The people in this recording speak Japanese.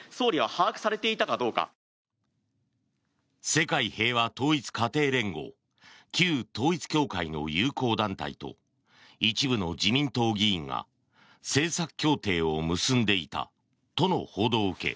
世界平和統一家庭連合旧統一教会の友好団体と一部の自民党議員が政策協定を結んでいたとの報道を受け